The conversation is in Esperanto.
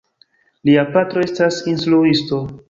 Lia patro estas instruisto.